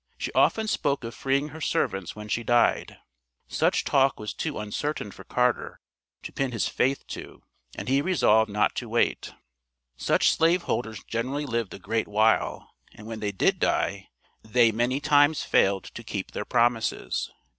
She often spoke of freeing her servants when she died; such talk was too uncertain for Carter, to pin his faith to, and he resolved not to wait. Such slave holders generally lived a great while, and when they did die, they many times failed to keep their promises.